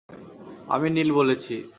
আমি নীল বলেছি।